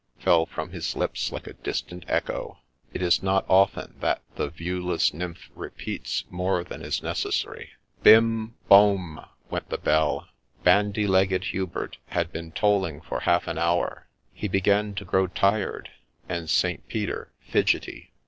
' fell from his lips like a distant echo ;— it is not often that the viewless nymph repeats more than is necessary. ' Bim ! borne 1 ' went the bell. — Bandy legged Hubert had been tolling for half an hour ;— he began to grow tired, and St. Peter fidgety.